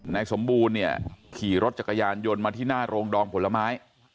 นายสมบูรณ์เนี่ยขี่รถจักรยานยนต์มาที่หน้าโรงดองผลไม้